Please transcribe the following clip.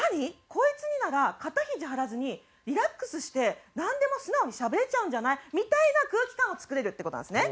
こいつになら肩肘張らずにリラックスしてなんでも素直にしゃべれちゃうんじゃない？みたいな空気感を作れるって事なんですね。